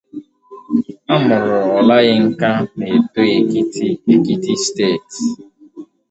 Amụrụ Olayinka na Ado-Ekiti, Ekiti State.